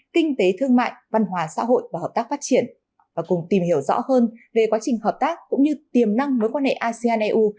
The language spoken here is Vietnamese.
kinh tế thương mại văn hóa xã hội và hợp tác phát triển và cùng tìm hiểu rõ hơn về quá trình hợp tác cũng như tiềm năng mối quan hệ asean eu